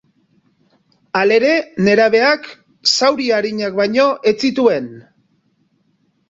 Halere, nerabeak zauri arinak baino ez zituen.